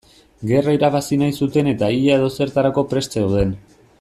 Gerra irabazi nahi zuten eta ia edozertarako prest zeuden.